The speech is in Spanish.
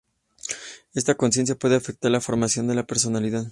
Esta conciencia puede afectar la formación de la personalidad.